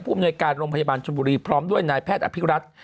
อำนวยการโรงพยาบาลชนบุรีพร้อมด้วยนายแพทย์อภิรัตน์